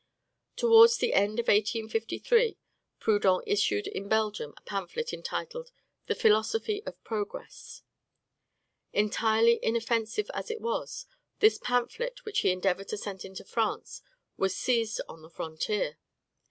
Towards the end of 1853, Proudhon issued in Belgium a pamphlet entitled "The Philosophy of Progress." Entirely inoffensive as it was, this pamphlet, which he endeavored to send into France, was seized on the frontier.